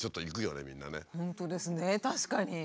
確かに。